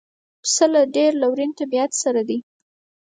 پسه له ډېر لورین طبیعت سره دی.